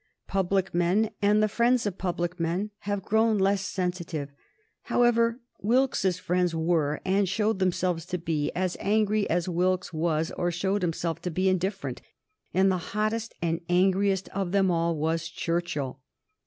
Public men, and the friends of public men, have grown less sensitive. However, Wilkes's friends were, and showed themselves to be, as angry as Wilkes was, or showed himself to be, indifferent, and the hottest and angriest of them all was Churchill.